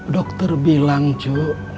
dokter bilang cu